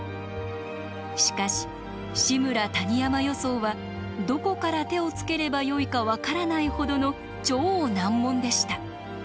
しかし「志村−谷山予想」はどこから手をつければよいか分からないほどの超難問でした。